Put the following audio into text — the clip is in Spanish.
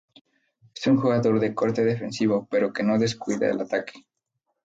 Es un jugador de corte defensivo pero que no descuida el ataque.